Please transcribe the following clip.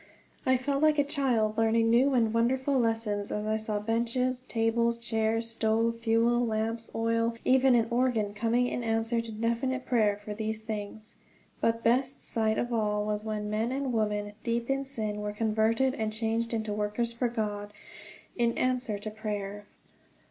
I felt like a child learning a new and wonderful lesson as I saw benches, tables, chairs, stove, fuel, lamps, oil, even an organ, coming in answer to definite prayer for these things. But best sight of all was when men and women, deep in sin, were converted and changed into workers for God, in answer to prayer.